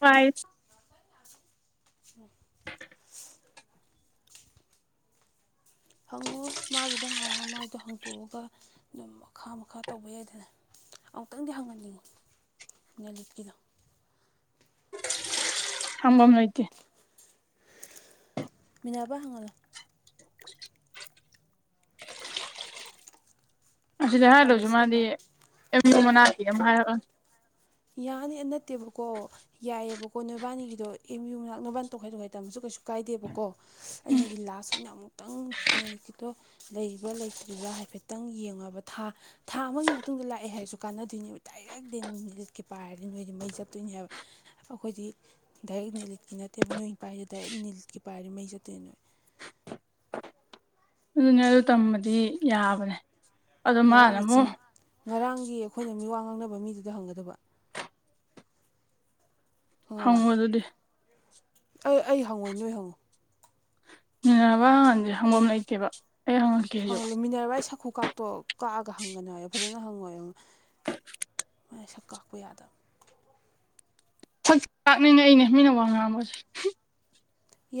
five ꯎꯝ ꯍꯪꯉꯨ ꯃꯥꯒꯤꯗꯣ ꯍꯥꯟꯅ ꯑꯗꯨꯅ ꯃꯥꯏꯗꯣ ꯍꯥꯡꯇꯣꯛꯑꯒ ꯑꯗꯨꯝ ꯃꯈꯥ ꯃꯈꯥ ꯇꯧꯕ ꯌꯥꯏꯗꯅ ꯑꯃꯨꯛꯇꯪꯗꯤ ꯍꯪꯉꯛꯈꯤꯒꯦ ꯅꯦꯂꯤꯠꯀꯤꯗꯣ ꯊꯝꯕꯝ ꯂꯩꯇꯦ ꯃꯤꯅꯥꯕ ꯍꯪꯍꯜꯂꫭ ꯃꯥ ꯑꯁꯤꯗ ꯍꯥꯏꯔ ꯂꯣꯏꯁꯨ ꯇꯜꯂꯁꯨ ꯇꯟꯅ ꯃꯥꯗꯤ ꯑꯦꯝ ꯌꯨ ꯃꯅꯥꯛꯀꯤ ꯑꯝ ꯍꯥꯏꯔꯒ ꯌꯥꯅꯤ ꯅꯠꯇꯦꯕꯀꯣ ꯌꯥꯏꯑꯕꯀꯣ ꯅꯣꯏꯕꯥꯅꯤꯒꯤꯗꯣ ꯑꯦꯝ ꯌꯨ ꯃꯅꯥꯛ ꯅꯣꯏꯕꯥꯟ ꯇꯣꯈꯥꯏ ꯇꯣꯈꯥꯏ ꯇꯝꯕꯁꯨ ꯀꯩ ꯀꯩꯁꯨ ꯀꯥꯏꯗꯦꯕꯀꯣ ꯎꯝ ꯑꯩꯅꯗꯤ ꯂꯥꯁ ꯑꯣꯏꯅ ꯑꯃꯨꯛꯇꯪꯗꯣ ꯂꯩꯔꯤꯕ꯭ꯔꯥ ꯂꯩꯇ꯭ꯔꯤꯕ꯭ꯔꯥ ꯍꯥꯏꯐꯦꯠꯇꯪ ꯌꯦꯡꯉꯕ ꯊꯥ ꯊꯥ ꯑꯃꯒꯤ ꯃꯇꯨꯡꯗ ꯂꯥꯛꯑꯦ ꯍꯥꯏꯔꯁꯨ ꯀꯥꯟꯅꯗꯣꯏꯅꯦꯕ ꯗꯥꯏꯔꯦꯛ ꯗ ꯀꯦ ꯄꯥꯏꯔꯗꯤ ꯅꯣꯏꯗꯤ ꯃꯩ ꯆꯞꯠꯇꯣꯏꯅꯦ ꯍꯥꯏꯕ ꯑꯩꯈꯣꯏꯗꯤ ꯗꯥꯏꯔꯦꯛ ꯅ ꯂꯤꯠꯀꯤ ꯅꯠꯇꯦꯕ ꯅꯣꯏ ꯄꯥꯏꯔꯤꯁꯦ ꯗꯥꯏꯔꯦꯛ ꯅꯤꯜꯀꯤ ꯄꯥꯏꯔꯤ ꯃꯩ ꯆꯠꯇꯦ ꯅꯣꯏ [unintelligible] ꯑꯗꯨꯅꯦ ꯑꯗꯨ ꯇꯝꯕꯗꯤ ꯌꯥꯕꯅꯦ ꯑꯗꯣ ꯃꯥꯅ ꯉꯔꯥꯡꯒꯤ ꯆꯤꯟ ꯑꯃꯨꯛ ꯉꯔꯥꯡꯒꯤ ꯑꯩꯈꯣꯏꯅ ꯃꯤ ꯋꯥ ꯉꯥꯡꯅꯕ ꯃꯤꯗꯨꯗ ꯍꯪꯒꯗꯕ ꯍ ꯈꯪꯉꯕ ꯑꯗꯨꯗꯤ ꯑꯩ ꯑꯩ ꯍꯪꯉꯣꯏ ꯅꯣꯏ ꯍꯪꯉꯨ ꯅꯤꯔꯕꯥꯟꯁꯦ ꯍꯪꯒꯣꯝ ꯂꯩꯇꯦꯕ ꯑꯩ ꯍꯪꯉꯛꯀꯦ ꯑꯩꯁꯨ ꯐꯪꯍꯜꯂꯨꯃꯤꯟꯅꯔꯕ ꯑꯩ ꯁꯥꯛꯈꯨ ꯀꯥꯇꯣ ꯀꯛꯑꯒ ꯍꯪꯒꯅꯣꯏ ꯍꯥꯏꯕ ꯐꯖꯅ ꯍꯪꯉꯣꯏꯕ ꯃꯅ ꯁꯛ ꯀꯥꯛꯄ ꯌꯥꯗꯕ ꯁꯛ ꯆꯥꯛꯅꯤꯅꯦ ꯑꯩꯅꯦ ꯃꯤꯅ ꯋꯥ ꯉꯥꯡꯝꯕꯁꯦ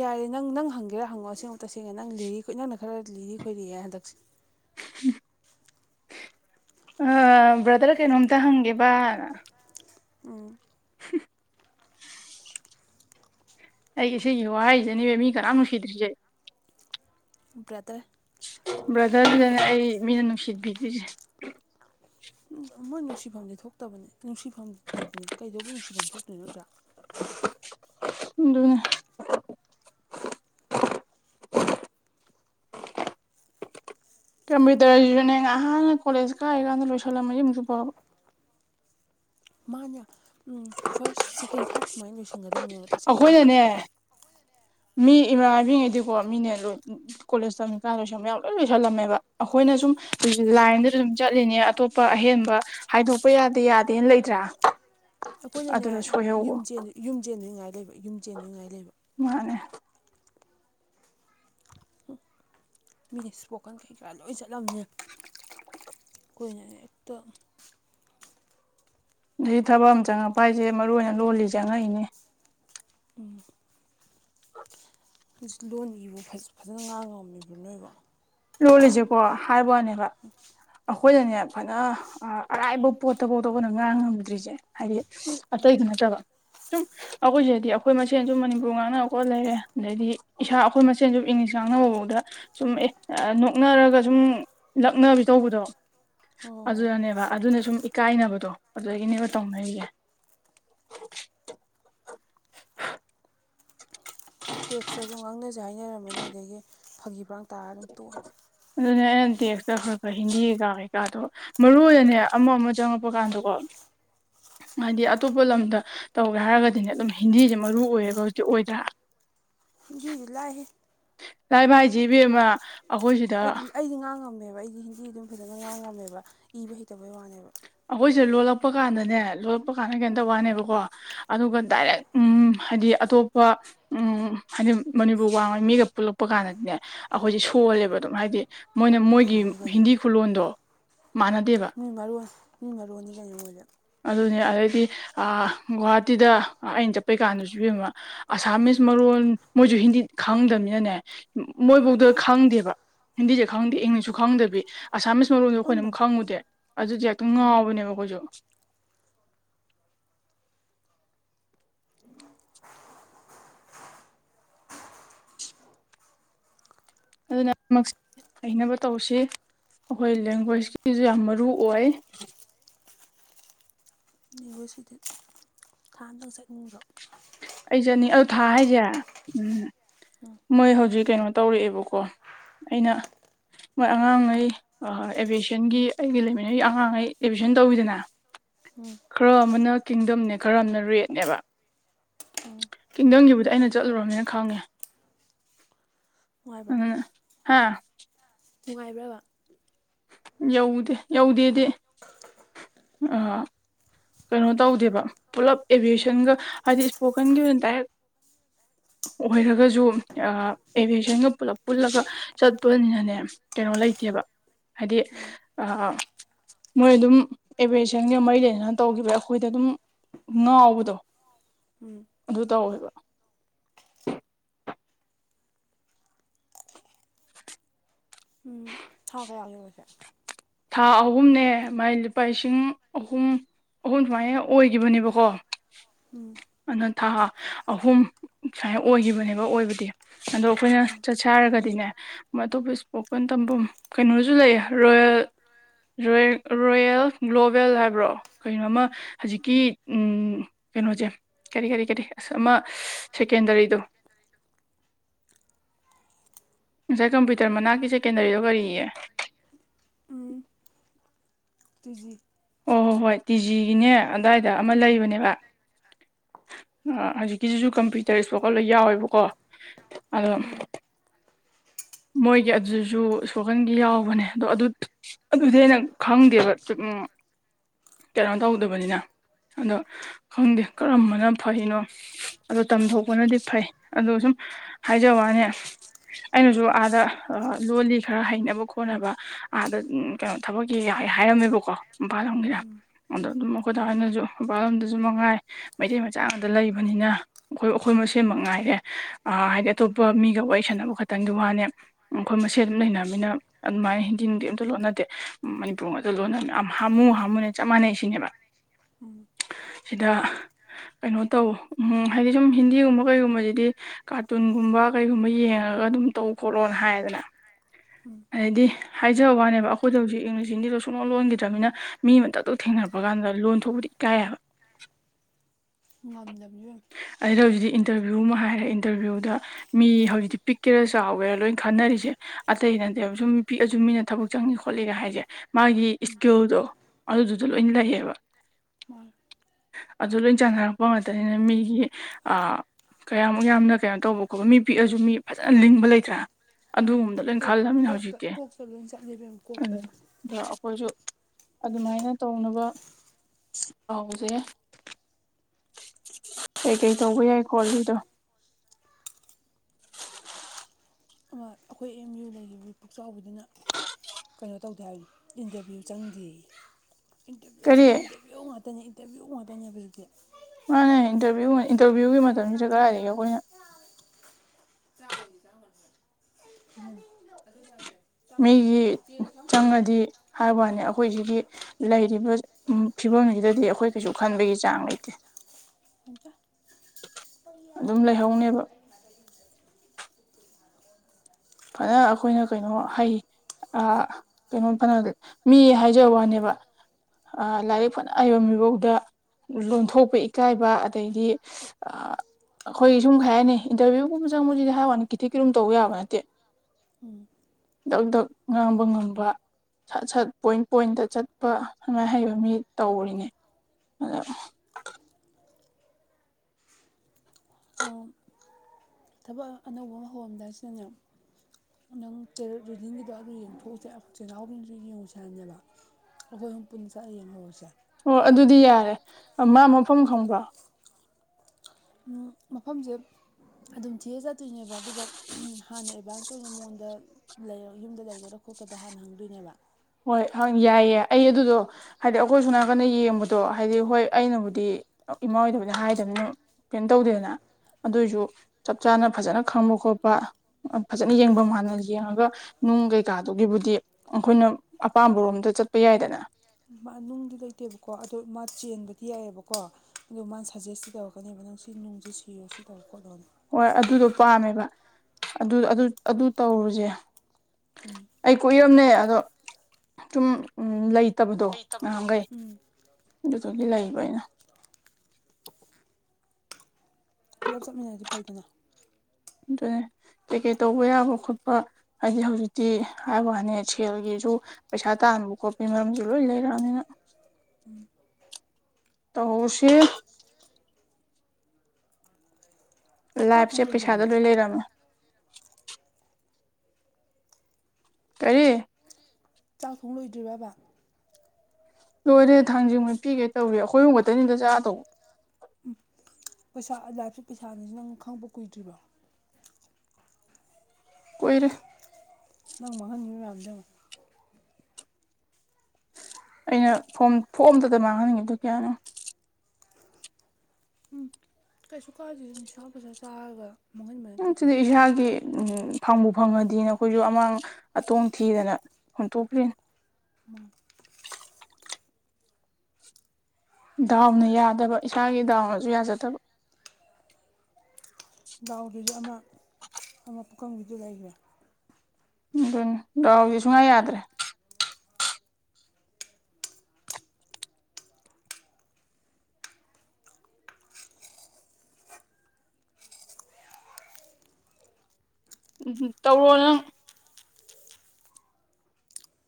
ꯌꯥꯔꯦ ꯅꯪ ꯅꯪ ꯍꯪꯒꯦꯔꯥ ꯍꯪꯉꯛꯑꯣꯁꯦꯡꯃꯛ ꯇꯁꯦꯡꯅ ꯅꯪ ꯂꯤꯔꯤ ꯈꯣꯏ ꯅꯪꯅ ꯈꯔ ꯂꯤꯔꯤ ꯈꯣꯏꯔꯤ ꯌꯥ ꯍꯟꯗꯛꯁꯦ ꯎꯝ ꯑ ꯕ꯭ꯔꯗꯔ ꯀꯩꯅꯣꯝꯇ ꯍꯪꯒꯦꯕ ꯎꯝ [unintelligible] ꯑꯩ ꯏꯁꯩꯒꯤ ꯋꯥ ꯍꯩꯖꯅꯦꯕ ꯃꯤ ꯀꯅꯥꯝ ꯅꯨꯡꯁꯤꯗ꯭ꯔꯤꯁꯦ ꯭ꯔꯇ ꯕ꯭ꯔꯗꯔꯗꯨꯗꯅꯦ ꯑꯩ ꯃꯤꯅ ꯅꯨꯡꯁꯤꯠꯕꯤꯗꯣꯏꯁꯦ ꯎ ꯃꯣꯏ ꯅꯨꯡꯁꯤꯐꯝꯗꯤ ꯊꯣꯛꯇꯕꯅꯤ ꯅꯨꯡꯁꯤꯐꯝ ꯊꯣꯛꯄꯅꯦ ꯀꯩꯗꯧꯕ ꯅꯨꯡꯁꯤ ꯐꯐꯝ ꯊꯣꯛꯇꯣꯏ ꯅꯠꯇ꯭ꯔꯥ ꯑꯗꯨꯅꯦ ꯀꯝꯄ꯭ꯌꯨꯇꯔ ꯑꯍꯥꯡꯅ ꯀꯣꯂꯦꯖ ꯀꯥꯏꯔꯤꯀꯥꯟꯗ ꯂꯣꯏꯁꯤꯜꯂꯝꯃꯦ ꯑꯃꯨ ꯄꯥꯎꯕ ꯃꯥꯅ ꯐꯥꯔꯁ ꯁꯦꯀꯦꯟ ꯊꯥꯔꯠ ꯁꯨꯃꯥꯏꯅ ꯂꯣꯏꯁꯤꯟꯒꯗꯕꯅꯦꯕ ꯇꯁꯦꯡꯅ ꯑꯩꯈꯣꯏꯅꯅꯦ ꯃꯤ ꯏꯃꯥ ꯏꯕꯤꯉꯩꯗꯤꯀꯣ ꯃꯤꯅꯦ ꯀꯣꯂꯦꯖ ꯇꯀꯥ ꯂꯣꯏꯁꯜ ꯃꯌꯥꯝ ꯂꯣꯏ ꯂꯣꯏꯁꯜꯂꯝꯃꯦꯕ ꯑꯩꯈꯣꯏꯅ ꯑꯩꯅ ꯁꯨꯝ ꯂꯥꯏꯟꯗꯁꯨ ꯁꯨꯝ ꯆꯠꯂꯤꯅꯦ ꯑꯇꯣꯞꯄ ꯑꯍꯦꯟꯕ ꯍꯥꯏꯗꯣꯛꯄ ꯌꯥꯗꯦ ꯌꯥꯗꯦꯅ ꯂꯩꯇ꯭ꯔꯥ [unintelligible] ꯑꯩꯈꯣꯏꯅꯅꯦ ꯑꯗꯨꯗ ꯁꯣꯏꯍꯧꯕ ꯌꯨꯝ ꯆꯦꯟꯅꯤꯡꯉꯥꯏ ꯂꯩꯕ ꯌꯨꯝ ꯆꯦꯟꯗꯉꯥꯏ ꯂꯩꯕ ꯃꯥꯅꯦ ꯃꯤꯅ ꯏꯁꯄꯣꯀꯟ ꯀꯩꯀꯔꯥ ꯂꯣꯏ ꯆꯠꯂꯝꯅꯦ ꯀꯣꯏ ꯉꯛꯇꯣ ꯑꯗꯒꯤ ꯊꯕꯛ ꯑꯃ ꯆꯪꯉꯛꯄ ꯍꯥꯏꯁꯦ ꯃꯔꯨ ꯑꯣꯏꯅ ꯂꯣꯜꯂꯤ ꯆꯪꯉꯛꯏꯅꯦ ꯎꯝ ꯍꯧ ꯂꯣꯟ ꯏꯕꯨ ꯐꯖꯅ ꯉꯥꯡ ꯉꯝꯃꯤꯕ꯭ꯔꯥ ꯅꯣꯏꯕ ꯂꯣꯜꯂꯤꯁꯦꯀꯣ ꯍꯥꯏꯕꯅꯦꯕ ꯑꯩꯈꯣꯏꯗꯅꯦ ꯐꯖꯅ ꯑꯔꯥꯏꯕ ꯄꯣꯠꯇꯐꯥꯎꯗꯅ ꯉꯥꯡ ꯉꯝꯗ꯭ꯔꯤꯁꯦ ꯍꯥꯏꯗꯤ ꯑꯇꯩꯗ ꯅꯠꯇꯕ ꯁꯨꯝ ꯑꯩꯈꯣꯏꯁꯤꯗꯗꯤ ꯑꯩꯈꯣꯏ ꯃꯁꯦꯟꯁꯨ ꯃꯅꯤꯄꯨꯔ ꯉꯥꯡꯅꯕꯀꯣ ꯂꯩꯔꯦ ꯑꯗꯩꯗꯤ ꯏꯁꯥ ꯑꯩꯈꯣꯏ ꯃꯁꯦꯟꯁꯨ ꯏꯪꯂꯤꯁ ꯉꯥꯡꯅꯕ ꯐꯥꯎꯗ ꯁꯨꯝ ꯑꯦ ꯅꯣꯛꯅꯔꯒ ꯁꯨꯝ ꯂꯛꯅꯕꯤ ꯇꯧꯕꯗꯣ ꯍꯣꯏ ꯍꯣꯏ ꯑꯗꯨꯅꯅꯦꯕ ꯑꯗꯨꯅ ꯁꯨꯝ ꯏꯀꯥꯏꯅꯕꯗꯣ ꯑꯗꯨꯗꯒꯤꯅꯦꯕ ꯇꯧꯅꯔꯤꯌꯦꯦ [unintelligible] ꯇꯦꯛꯁꯇꯁꯨ ꯉꯥꯡꯅꯁꯦ ꯍꯥꯏꯅꯔꯝꯃꯅꯤ ꯑꯗꯒꯤ ꯐꯥꯒꯤ ꯄ꯭ꯔꯥꯡ ꯇꯥꯔ ꯑꯗꯨꯝ ꯇꯣꯛꯑꯅꯤ ꯑꯗꯨꯅꯦ ꯑꯩꯅ ꯇꯦꯛꯁꯇꯈꯔꯛꯄ ꯍꯤꯟꯗꯤ ꯀꯩꯀꯥ ꯀꯩꯀꯥꯗꯣ ꯃꯔꯨ ꯑꯣꯏꯅꯅꯦ ꯑꯃ ꯑꯃ ꯆꯪꯉꯛꯄ ꯀꯥꯟꯗꯀꯣ ꯍꯥꯏꯗꯤ ꯑꯇꯣꯞꯄ ꯂꯝꯗ ꯇꯧꯒ꯭ꯔꯦ ꯍꯥꯏꯔꯒꯗꯤꯅꯦ ꯑꯗꯨꯝ ꯍꯤꯟꯗꯤꯁꯦ ꯃꯔꯨ ꯑꯣꯏꯔꯒ ꯍꯧꯖꯤꯛ ꯑꯣꯏꯗ꯭ꯔꯥ ꯎ ꯂꯑꯍꯦ ꯂꯥꯏꯚꯥꯏ ꯖꯤꯕꯦꯝꯃ ꯑꯩꯗꯤ ꯑꯩꯗꯤ ꯉꯥꯡꯉꯝꯃꯦꯕ ꯑꯩꯗꯤ ꯍꯤꯟꯗꯤ ꯑꯗꯨꯝ ꯐꯖꯅ ꯉꯥꯡꯉꯝꯃꯦꯕ ꯏꯕ ꯍꯩ ꯑꯩꯈꯣꯏꯁꯦ ꯂꯣꯜꯂꯛꯄ ꯀꯥꯟꯗꯅꯦ ꯂꯣꯜꯂꯛꯄ ꯀꯥꯟꯗ ꯀꯩꯅ ꯇꯧ ꯋꯥꯅꯦꯕꯀꯣ ꯑꯗꯨꯒ ꯗꯥꯏꯔꯦꯛ ꯎ ꯍꯥꯏꯗꯤ ꯑꯇꯣꯞꯄ ꯎ ꯍꯥꯏꯗꯤ ꯃꯅꯤꯄꯨꯔ ꯋꯥꯡꯃꯩ ꯃꯤꯒ ꯄꯨꯜꯂꯛꯄ ꯀꯥꯟꯗꯗꯤꯅꯦ ꯑꯩꯈꯣꯏꯁꯦ ꯁꯣꯜꯂꯦꯕ ꯑꯗꯨꯝ ꯍꯥꯏꯗꯤ ꯃꯣꯏꯅ ꯃꯣꯏꯒꯤ ꯁꯣꯝꯗꯗꯤ ꯀꯩꯅꯣ ꯍꯤꯟꯗꯤ ꯈꯨꯂꯣꯗꯣ ꯃꯥꯅꯗꯦꯕ ꯃꯤ ꯃꯔꯣꯟ ꯃꯔꯣꯟꯅꯤ ꯀꯩꯅ ꯃꯣꯏꯗ ꯑꯗꯨꯅꯤ ꯑꯗꯩꯗꯤ ꯒꯨꯍꯥꯇꯤꯗ ꯑꯩꯅ ꯆꯠꯄꯩ ꯀꯥꯟꯗꯁꯨꯕ ꯑꯁꯥꯃꯤꯁ ꯃꯔꯨ ꯃꯣꯏꯁꯨ ꯍꯤꯟꯗꯤ ꯈꯥꯡꯗꯕꯅꯤꯅꯅꯦ ꯃꯣꯏꯐꯧꯗ ꯈꯪꯗꯦꯕ ꯍꯤꯟꯗꯤꯁꯦ ꯈꯪꯗꯦ ꯏꯪꯂꯤꯁꯁꯨ ꯈꯪꯗꯕꯤ ꯑꯁꯥꯃꯤꯁ ꯃꯔꯣꯟꯜꯗꯣ ꯑꯩꯈꯣꯏꯅ ꯑꯗꯨꯝ ꯈꯪꯗꯝ ꯈꯪꯉꯨꯗꯦ ꯑꯗꯨꯗꯤ ꯍꯦꯛꯇꯪ ꯉꯥꯎꯕꯅꯦꯕ ꯑꯩꯈꯣꯏꯁꯨ ꯎꯝ ꯑꯗꯨꯅꯃꯛ ꯍꯩꯅꯕ ꯇꯧꯁꯤ ꯑꯩꯈꯣꯏ ꯂꯦꯡꯒ꯭ꯋꯦꯁꯀꯤꯁꯨ ꯌꯥꯝ ꯃꯔꯨ ꯑꯣꯏ ꯑꯩꯈꯣꯏꯁꯤꯗꯤ ꯊꯥꯗꯪ ꯆꯠꯉꯨꯗꯣ ꯑꯩ ꯆꯠꯅꯤ ꯑꯜ ꯊꯥ ꯍꯥꯏꯁꯦ ꯎꯝ ꯃꯣꯏ ꯍꯧꯖꯤꯛ ꯀꯩꯅꯣ ꯇꯧꯔꯛꯑꯦꯕꯀꯣ ꯑꯩꯅ ꯃꯣꯏ ꯑꯉꯥꯡꯈꯩ ꯑꯦꯚꯁꯟꯒꯤ ꯑꯩꯒꯤ ꯂꯩꯃꯤꯟꯅꯔꯤꯕ ꯑꯉꯥꯡꯈꯩ ꯑꯦꯚꯁꯟ ꯇꯧꯕꯋꯤꯗꯅ ꯈꯔ ꯑꯃꯅ ꯀꯤꯡꯗꯝꯅꯦ ꯈꯔ ꯑꯃꯅ ꯔꯦꯠꯅꯦꯕ ꯀꯤꯡꯗꯝꯒꯤꯕꯨꯗꯤ ꯑꯩꯅ ꯆꯠꯂꯨꯔꯕꯅꯤꯅ ꯈꯪꯉꯦ ꯅꯨꯡꯉꯥꯏꯕ꯭ꯔꯥ ꯎꯝ ꯍꯥꯥ ꯅꯨꯡꯉꯥꯏꯕ꯭ꯔꯕ ꯌꯧꯗꯦ ꯌꯧꯗꯦꯗꯤ ꯑ ꯀꯩꯅꯣ ꯇꯧꯗꯦꯕ ꯄꯨꯂꯞ ꯑꯦꯚꯌꯦꯁꯟꯒ ꯍꯥꯏꯗꯤ ꯏꯁꯄꯣꯔꯀꯟꯒꯤ ꯑꯣꯏꯅ ꯗꯥꯏꯔꯦꯛ [unintelligible] ꯑꯣꯏꯔꯒꯁꯨ ꯑꯦꯚꯌꯦꯁꯟꯒ ꯄꯨꯂꯞ ꯄꯨꯜꯂꯒ ꯆꯠꯄꯅꯤꯅꯅꯦ ꯀꯩꯅꯣ ꯂꯩꯇꯦꯕ ꯍꯥꯏꯗꯤ ꯃꯣꯏ ꯑꯗꯨꯝ ꯑꯦꯚꯔꯦꯁꯟꯒ ꯃꯔꯤ ꯂꯩꯅꯅ ꯇꯧꯈꯤꯕ ꯑꯩꯈꯣꯏꯗ ꯑꯗꯨꯝ ꯉꯥꯎꯕꯗꯣ ꯎꯝ ꯑꯗꯨ ꯇꯧꯋꯦꯕ ꯎꯝ ꯊꯥ ꯈꯔ ꯌꯥꯎ ꯌꯕꯁꯦ ꯊꯥ ꯑꯍꯨꯝꯅꯦ ꯃꯥꯥꯏ ꯂꯨꯄꯥ ꯂꯤꯁꯤꯡ ꯑꯍꯨꯝ ꯑꯍꯨꯝ ꯁꯨꯃꯥꯏꯅ ꯑꯣꯏꯈꯤꯕꯅꯦꯕꯀꯣ ꯎꯝ ꯑꯗꯨꯅ ꯊꯥ ꯑꯍꯨꯝ ꯁꯨꯃꯥꯏꯅ ꯑꯣꯏꯈꯤꯕꯅꯦꯕ ꯑꯣꯏꯕꯗꯤ ꯑꯗꯣ ꯑꯩꯈꯣꯏꯅ ꯆꯠꯁꯦ ꯍꯥꯏꯔꯒꯗꯤꯅꯦ ꯑꯇꯣꯞꯄ ꯏꯁꯄꯣꯀꯟ ꯇꯝꯐꯝ ꯀꯩꯅꯣꯁꯨ ꯂꯩ ꯔꯣꯌꯦꯜ ꯔꯣꯌꯦꯜ ꯒ꯭ꯂꯣꯕꯦꯜ ꯍꯥꯏꯕ꯭ꯔꯣ ꯀꯩꯅꯣꯃ ꯍꯧꯖꯤꯛꯀꯤ ꯀꯩꯅꯣ ꯍꯧ ꯀꯔꯤ ꯀꯔꯤ ꯀꯔꯤ ꯑꯁ ꯑꯃ ꯁꯦꯀꯦꯟꯗꯔꯤꯗꯣ [unintelligible] ꯉꯁꯥꯏ ꯀꯝꯄ꯭ꯌꯨꯇꯔ ꯃꯅꯥꯛꯀꯤ ꯁꯦꯀꯦꯟꯗꯔꯤꯗꯣ ꯀꯔꯤꯌꯦ ꯇꯖꯤ ꯍꯣꯏ ꯍꯣꯏ ꯍꯣꯏ ꯇꯤꯖꯤꯒꯤꯅꯦ ꯑꯏꯗ ꯑꯃ ꯂꯩꯕꯅꯦꯕ ꯍꯧꯖꯤꯛꯀꯤꯁꯤꯁꯨ ꯀꯝꯄ꯭ꯌꯨꯇꯔ ꯏꯁꯄꯣꯔꯀ ꯂꯣꯏ ꯌꯥꯎꯋꯦꯕꯀꯣ ꯑꯂꯝ ꯎꯝ ꯃꯣꯏꯒꯤ ꯑꯗꯨꯁꯨ ꯁꯣꯛꯀꯟꯒꯤ ꯌꯥꯎꯕꯅꯦ ꯑꯗꯣ ꯑꯗꯨꯗꯤ ꯑꯦꯩꯅ ꯈꯪꯗꯦꯕ ꯎ ꯀꯩꯅꯣ ꯇꯧꯗꯕꯅꯤꯅ ꯑꯗꯣ ꯈꯪꯗꯦ ꯀꯔꯝꯕꯅ ꯐꯅꯣ ꯑꯗꯣ ꯇꯝꯊꯣꯛꯄꯅꯗꯤ ꯐꯩ ꯑꯗꯣ ꯁꯨꯝ ꯍꯥꯏꯖ ꯋꯥꯅꯦ ꯑꯩꯅꯁꯨ ꯑꯥꯗ ꯂꯣꯜꯂꯤ ꯈꯔ ꯍꯩꯅꯕ ꯈꯣꯠꯅꯕ ꯑꯥꯗ ꯀꯩꯅꯣ ꯊꯕꯛꯀꯤꯎ ꯑꯩ ꯍꯥꯏꯔꯝꯃꯦꯕꯀꯣ ꯃꯄꯜ ꯂꯝꯒꯤꯦ ꯑꯗꯣ ꯑꯗꯨꯝ ꯑꯩꯣꯏꯗꯥ ꯍꯅꯁꯨ ꯃꯄꯥꯟ ꯂꯝꯗꯁꯨ ꯃꯉꯥꯏ ꯃꯩꯇꯩ ꯃꯆꯥ ꯑꯃꯗ ꯂꯩꯕꯅꯤꯅ ꯑꯩꯈꯣꯏ ꯑꯩꯈꯣꯏ ꯃꯁ ꯃ ꯉꯥꯏ ꯁꯦ ꯍꯥꯏꯗꯤ ꯑꯇꯣꯞꯄ ꯃꯤꯒ ꯋꯥꯔꯤ ꯋꯥꯔꯤ ꯁꯥꯟꯅꯕ ꯈꯛꯇꯪꯗꯤ ꯋꯥꯅꯦ ꯑꯩꯈꯣꯏ ꯃꯁꯦꯜ ꯂꯩꯃꯤꯅ ꯑꯗꯨꯃꯥꯏꯅ ꯍꯤꯟꯗꯤꯅꯨꯡꯗꯤ ꯑꯝꯇ ꯂꯣꯟꯅꯗꯦ ꯃꯅꯤꯄꯨꯔ ꯉꯇ ꯂꯣꯟꯅ ꯃꯌꯥꯝ ꯍꯥꯃꯨ ꯍꯥꯃꯨꯅꯦ ꯆꯞ ꯃꯥꯟꯅꯩ ꯁꯤꯅꯦꯕ ꯎꯝ ꯁꯤꯗ ꯀꯩꯅꯣ ꯇꯧ ꯎꯝ ꯍꯥꯏꯗꯤ ꯁꯨꯝ ꯍꯤꯟꯗꯤꯒꯨꯝꯕ ꯀꯩꯒꯨꯝꯕꯁꯤꯗꯤ ꯀꯥꯔꯇꯨꯟꯒꯨꯝꯕ ꯀꯩꯒꯨꯝꯕ ꯌꯦꯡꯉ ꯈꯔꯒ ꯑꯗꯨꯝ ꯇꯧ ꯈꯣꯠꯂꯣꯅ ꯍꯥꯏꯗꯅ ꯑꯗꯩꯗꯤ ꯍꯥꯏꯖꯕ ꯋꯥꯅꯦꯕ ꯑꯩꯈꯣꯏꯗ ꯍꯧꯖꯤꯛ ꯏꯪꯂꯤꯁ ꯍꯤꯟꯗꯤꯗꯣ ꯁꯨꯡꯂꯥꯎ ꯂꯣꯟꯈꯤꯗ꯭ꯔꯕꯅꯤꯅ ꯃꯤ ꯑꯃꯇꯛꯇ ꯊꯦꯡꯅꯔꯛꯄ ꯀꯥꯟꯗ ꯂꯣꯟ ꯊꯣꯛꯄꯗꯤ ꯀꯌꯥ ꯉꯝꯗꯕꯤꯁꯨ ꯁꯤꯗ ꯍꯧꯖꯤꯛꯇꯤ ꯏꯟꯇꯔꯚꯤꯌꯨ ꯑꯃ ꯍꯥꯏꯔꯦ ꯏꯟꯇꯔꯚꯤꯌꯨꯗ ꯃꯤ ꯍꯧꯖꯤꯛꯇꯤ ꯄꯤꯛꯀꯦꯔꯥ ꯆꯥꯎꯋꯦꯔ ꯂꯣꯏꯅ ꯈꯟꯅꯔꯤꯁꯦ ꯑꯇꯩ ꯅꯠꯇꯦꯕ ꯁꯨꯝꯄꯤ ꯑꯁꯨꯨꯝ ꯃꯤꯅ ꯊꯕꯛ ꯆꯪꯉ ꯈꯣꯠꯂꯤꯒ ꯍꯥꯏꯁꯦ ꯃꯥꯒꯤ ꯏꯁꯀꯤꯜꯗꯣ ꯑꯗꯨꯗꯨꯗꯂꯣ ꯏꯟꯂ ꯍꯦꯕ ꯃꯥꯅ ꯑꯗꯨ ꯂꯣꯏ ꯆꯥꯟꯅꯔꯛꯄ ꯃꯇꯝꯅꯤꯅ ꯃꯤꯒꯤ ꯀꯌꯥꯃꯨꯛ ꯌꯥꯝꯅ ꯀꯩꯅꯣ ꯇꯧꯕ ꯈꯣꯠꯄ ꯃꯤ ꯄꯤꯛꯑꯁꯨ ꯃꯤ ꯐꯖꯅ ꯂꯤꯡꯕ ꯂꯩꯇ꯭ꯔꯥ ꯑꯗꯨꯒꯨꯝꯕꯗ ꯂꯩ ꯀꯣꯛ ꯈꯜꯂꯕꯅꯤ ꯀꯣꯛꯇ ꯍꯧꯖꯤꯛꯀꯤ ꯑ ꯀꯣꯛꯇ ꯂꯣꯏ ꯆꯠꯂꯦ ꯏꯕꯦꯝꯃ ꯀꯣꯛꯇ ꯑꯗ ꯑꯩꯈꯣꯏꯁꯨ ꯑꯗꯨꯃꯥꯏꯅ ꯇꯧꯅꯕ ꯄꯥꯎꯖꯩ ꯀꯩꯀꯩ ꯇꯧꯕ ꯌꯥꯏ ꯀꯣꯜꯂꯤꯗ [inaudible] ꯑꯃ ꯑꯩꯈꯣꯏ ꯑꯦꯝ ꯌꯨ ꯄꯨꯛꯆꯥꯎꯕꯤꯗꯨꯅ ꯀꯩꯅꯣ ꯇꯧꯗꯦ ꯍꯥꯏꯕ ꯏꯟꯇꯔꯚꯤꯌꯨ ꯆꯪꯗ꯭ꯔꯤ ꯏꯟꯚ ꯀꯔꯤ ꯏꯟꯇꯔꯚꯤꯌꯨ ꯉꯥꯛꯇꯅꯦ ꯏꯟꯇꯔꯚꯌꯨ ꯉꯥꯛꯇꯅꯦ ꯍꯥꯏ ꯍꯧꯖꯤꯛꯇꯤ ꯃꯥꯅꯦ ꯏꯚꯨ ꯏꯟꯇꯔꯚꯤꯌꯨꯒꯤ ꯃꯇꯝꯁꯤꯗ ꯀꯗꯥꯏꯗꯒꯤꯒꯦ ꯑꯩꯈꯣꯏꯅ [inaudible] ꯃꯤꯒꯤ ꯆꯪꯉꯗꯤ ꯍꯥꯏꯕ ꯋꯥꯅꯤ ꯑꯩꯈꯣꯏꯁꯤꯒꯤ ꯂꯩꯔꯤꯕ ꯂꯣꯟꯁꯤꯗꯗꯤ ꯑꯩꯈꯣꯏ ꯀꯩꯁꯨ ꯈꯟꯕꯒꯤ ꯆꯥꯡ ꯂꯩꯇꯦ ꯏꯇ [inaudible] ꯑꯗꯨꯝ ꯂꯩꯍꯧꯅꯦꯕ ꯐꯖꯅ ꯑꯩꯈꯣꯏꯅ ꯀꯩꯅꯣ ꯍꯩ ꯑ ꯀꯩꯣꯝ ꯐꯅ ꯃꯤ ꯍꯥꯏꯖꯕ ꯋꯥꯅꯦꯕ ꯂꯥꯏꯔꯤꯛ ꯐꯅ ꯍꯩꯕ ꯃꯤꯕꯧꯗ ꯂꯣꯟꯊꯣꯛꯄ ꯏꯀꯥꯏꯕ ꯑꯗꯩꯗꯤ ꯑꯩꯈꯣꯏ ꯁꯨꯝ ꯍꯥꯏꯔꯅꯤ ꯏꯟꯇꯔꯚꯤꯌꯨꯒꯨꯝꯕ ꯆꯪꯕꯁꯤꯗꯤ ꯍꯥꯏꯔ ꯋꯥꯅꯤꯤ ꯀꯤꯔꯝ ꯇꯧ ꯌꯥꯕ ꯅꯠꯇꯦ ꯎꯝ ꯇꯞ ꯇꯞ ꯉꯥꯡꯕ ꯉꯝꯕ ꯠ ꯁꯠ ꯄꯣꯏꯟ ꯄꯣꯏꯟꯇ ꯆꯠꯄ ꯉꯥꯏ ꯍꯩꯕ ꯃꯤ ꯇꯧꯔꯤꯉꯩ ꯑ ꯎꯝ [inaudible] ꯊꯕꯛ ꯑꯅꯧꯕ ꯑꯃ ꯍꯧꯑꯝꯗꯥꯏꯁꯤꯗꯅꯦ ꯅꯪ ꯔꯦꯅꯤꯡꯡꯒꯤꯗꯣ ꯑꯗꯨ ꯌꯦꯡꯊꯣꯛꯎꯁꯦ ꯆꯩꯔꯥꯎꯗꯨꯅꯁꯨ ꯌꯦꯡꯉꯁꯤꯔꯅꯦꯦꯕ ꯑꯩꯈꯣꯏ ꯑꯃꯨ ꯄꯨꯟꯁꯥ ꯌꯦꯡꯍꯧꯁꯦ ꯑꯣ ꯑꯗꯨꯗꯤ ꯌꯥꯔꯦ ꯃꯥ ꯃꯐꯝ ꯈꯪꯕ꯭ꯔꯣ ꯃꯐꯝꯁꯦ ꯑꯗꯨꯝ ꯊꯤꯔ ꯆꯠꯇꯣꯏꯅꯦꯕ ꯑꯗꯨꯒ ꯍꯥꯟꯅ ꯑꯦꯗꯚꯥꯟꯁ ꯑꯣꯏꯅ ꯃꯉꯣꯟꯗ ꯌꯨꯝꯗ ꯂꯩꯒꯔ ꯀꯣꯠꯀꯗ ꯍꯥꯟꯅ ꯍꯪꯗꯣꯏꯅꯦꯕ ꯍꯣꯏꯪ ꯌꯥꯏꯌꯦ ꯑꯩ ꯑꯗꯨꯗꯣ ꯍꯥꯏꯗꯤ ꯑꯩꯈꯣꯏꯁꯨ ꯅꯥꯀꯟꯗ ꯌꯦꯡꯕꯗꯣ ꯍꯥꯏꯗꯤ ꯍꯣꯏ ꯑꯩꯅꯕꯨꯗꯤ ꯏꯃꯥ ꯑꯣꯏꯗꯕꯗ ꯍꯥꯏꯗꯕꯅꯤ ꯀꯩꯅꯣ ꯇꯧꯗꯦꯗꯅ ꯑꯗꯨ ꯎꯝ ꯑꯣꯏꯁꯨ ꯆꯞ ꯆꯥꯅ ꯐꯖꯅ ꯈꯪꯕ ꯈꯣꯠꯄ ꯐꯖꯅ ꯌꯦꯡꯐꯝ ꯃꯥꯟꯅ ꯌꯦꯡꯉꯒ ꯅꯨꯡ ꯀꯩꯀꯥꯗꯨꯒꯤꯕꯨꯗꯤ ꯑꯩꯈꯣꯏꯅ ꯑꯄꯥꯝꯕ ꯔꯣꯝꯗ ꯆꯠꯄ ꯌꯥꯏꯗꯅ ꯅꯨꯡꯗꯤ ꯂꯩꯇꯦꯕꯀꯣ ꯑꯗꯣ ꯃꯥ ꯆꯦꯟꯕꯗꯤ ꯌꯥꯏꯑꯕꯀꯣ ꯑꯗꯣ ꯃꯥꯅ ꯁꯖꯦꯁꯇꯤ ꯇꯧꯔꯛꯀꯅꯦꯕ ꯅꯪ ꯁꯤ ꯅꯨꯡꯁꯤ ꯁꯤꯌꯣ ꯁꯤ ꯇꯧ ꯈꯣꯠꯅꯧꯅꯦ ꯍꯣꯏ ꯑꯗꯨꯗꯣ ꯄꯥꯝꯃꯦꯕ ꯑꯗꯨ ꯑꯗꯨ ꯇꯧꯔꯨꯁꯦ ꯑꯩ ꯀꯣꯏꯔꯝꯅꯦ ꯑꯗꯣ ꯁꯨꯝ ꯂꯩ ꯐꯠꯇꯕꯗꯣ ꯂꯩꯇꯕꯗꯣ ꯉꯔꯥꯡꯈꯩ ꯎꯝ ꯑꯗꯨꯗꯒꯤ ꯂꯩꯕ ꯑꯩꯅ ꯄꯨꯂꯞ ꯆꯞꯃꯤꯟꯅꯔꯗꯤ ꯐꯩꯗꯅ ꯑꯗꯨꯅꯤ ꯀꯩꯀꯩ ꯇꯧꯕ ꯌꯥꯕ ꯈꯣꯠꯄ ꯍꯥꯏꯗꯤ ꯍꯧꯖꯤꯛꯇꯤ ꯍꯥꯏꯕ ꯋꯥꯅꯦ ꯁꯦꯜꯒꯤ ꯨ ꯄꯩꯁꯥ ꯇꯥꯟꯕ ꯈꯣꯠꯄꯒꯤ ꯃꯔꯝꯁꯨ ꯂꯣꯏ ꯂꯩꯔꯛꯑꯅꯤꯅ [unintelligible] ꯇꯧ ꯁꯤ ꯆꯥꯛ ꯊꯣꯡ ꯂꯥꯏꯞꯁꯦ ꯂꯣꯏꯗ꯭ꯔꯤꯕꯣ ꯄꯩꯁꯥꯗꯣ ꯅꯪ ꯂꯣꯏ ꯂꯩꯔꯝꯃꯦ ꯀꯔꯤ ꯆꯥꯛ ꯊꯣꯡ ꯂꯣꯏꯗ꯭ꯔꯤꯕꯕ ꯂꯣꯏꯔꯦ ꯊꯥꯡꯖꯤꯡ ꯃꯣꯏ ꯄꯤꯒꯦ ꯇꯧꯔꯤ ꯑꯩꯈꯣꯏ ꯑꯃ ꯈꯛꯇꯅꯤꯗ ꯆꯥꯗꯧꯕ ꯎꯝ ꯄꯩꯁꯥ ꯑꯣꯖꯥꯞꯁꯤ ꯄꯩꯁꯥꯅꯤꯁꯤ ꯅꯪ ꯈꯪꯕ ꯀꯨꯏꯗ꯭ꯔꯤꯕꯣ ꯑꯣꯏꯏꯔ ꯅꯪ ꯃꯥꯡꯍꯟꯉꯕ ꯃꯌꯥꯝꯗ ꯑꯩꯅ ꯐꯣꯝ ꯐꯣꯝ ꯑꯝꯇꯗ ꯃꯥꯡꯍꯟꯅꯤꯡꯉꯤꯗꯨ ꯀꯌꯥꯅꯣ ꯎꯝ ꯀꯩꯁꯨ ꯀꯥꯟꯁꯤꯁꯨ ꯅꯤꯁꯥ ꯐꯖꯥ ꯆꯥꯔꯒ ꯃꯥꯡꯍꯟꯕ ꯁꯤꯗꯤ ꯅꯠꯇꯦꯗꯅ ꯏꯁꯥꯒꯤ ꯎ ꯐꯥꯡꯃ ꯐꯪꯉꯗꯤꯅ ꯑꯩꯈꯣꯏꯁꯨ ꯑꯃꯥꯡ ꯑꯇꯣꯡ ꯊꯤꯗꯅ ꯍꯨꯟꯇꯣꯛꯈꯔ꯭ꯦ ꯎꯝ ꯗꯥꯎꯅ ꯌꯥꯗꯕ ꯏꯁꯥꯒꯤ ꯗꯥꯎꯅꯁꯨ ꯌꯥꯖꯗꯕ ꯗꯥꯥꯎꯗꯨꯁꯨ ꯑꯃ ꯑꯃ ꯄꯨꯀꯪꯁꯨ ꯂꯩꯔꯦ ꯑꯗꯨꯅꯤ ꯗꯥꯎꯁꯨ ꯁꯨꯡꯌꯥꯥ ꯌꯥꯗ꯭ꯔꯦ ꯎꯝ ꯇꯧꯔꯣ ꯅꯪ